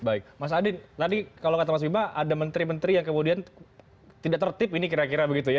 baik mas adin tadi kalau kata mas bima ada menteri menteri yang kemudian tidak tertib ini kira kira begitu ya